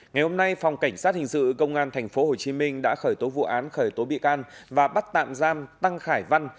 ngày hôm nay phòng cảnh sát hình sự công an tp hcm đã khởi tố vụ án khởi tố bị can và bắt tạm giam tăng khải văn